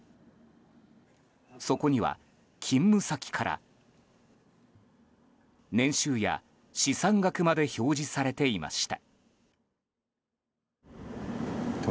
そこには、勤務先から年収や資産額まで表示されていました。